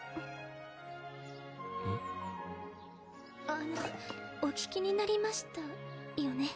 あのお聞きになりましたよね？